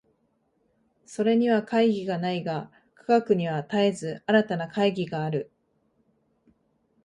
それには懐疑がないが、科学には絶えず新たな懐疑がある。